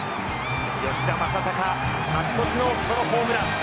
吉田正尚勝ち越しのソロホームラン。